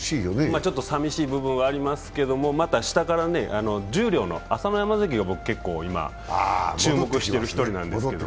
ちょっと寂しい部分もありますけど、また下から十両の朝乃山関、注目している一人なんです。